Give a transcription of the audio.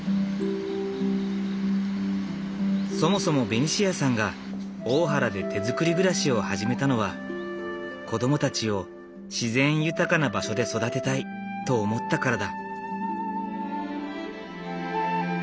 そもそもベニシアさんが大原で手づくり暮らしを始めたのは子供たちを自然豊かな場所で育てたいと思ったからだ。